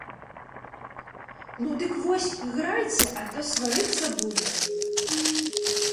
Ну дык вось, іграйце, а то сварыцца буду.